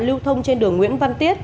lưu thông trên đường nguyễn văn tiết